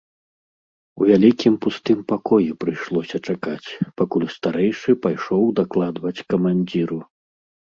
У вялікім пустым пакоі прыйшлося чакаць, пакуль старэйшы пайшоў дакладваць камандзіру.